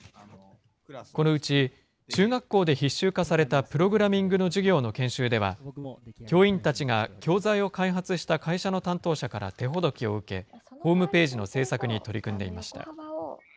このうち中学校で必修化されたプログラミングの授業の研修では、教員たちが教材を開発した会社の担当者から手ほどきを受け、ホームページの制作に取り組んでいました。